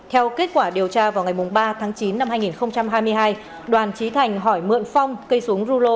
theo kết quả điều tra vào ngày ba chín hai nghìn hai mươi hai đoàn chí thành hỏi mượn phong cây súng rulo